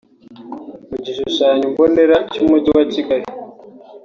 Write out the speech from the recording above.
Mu gishushanyombonera cy’Umujyi wa Kigali